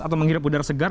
atau menghirup udara segar